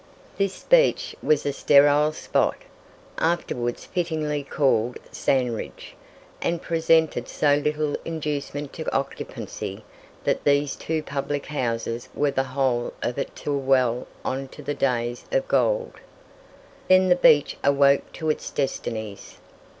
This Beach was a sterile spot, afterwards fittingly called Sandridge, and presented so little inducement to occupancy that these two public houses were the whole of it till well on to the days of gold. Then The Beach awoke to its destinies.